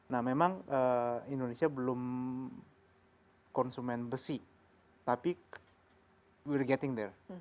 nah memang indonesia belum konsumen besi tapi we're getting there